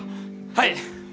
はい！